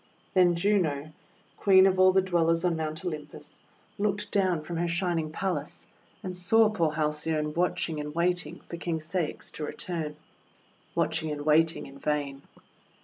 Then Juno, Queen of all the Dwellers on Mount Olympus, looked down from her Shining Palace, and saw poor Halcyone watching and waiting for King Ceyx to return, — watching and waiting in vain.